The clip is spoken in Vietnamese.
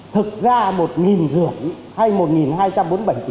thực ra một dưỡng hay một hai trăm năm mươi